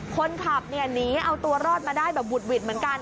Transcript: คนขับเนี่ยหนีเอาตัวรอดมาได้แบบบุดหวิดเหมือนกัน